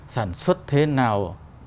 sản xuất thế nào